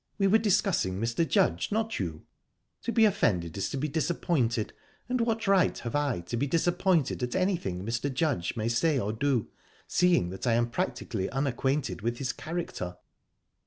We were discussing Mr. Judge, not you. To be offended is to be disappointed, and what right have I to be disappointed at anything Mr. Judge may say or do, seeing that I am practically unacquainted with his character?"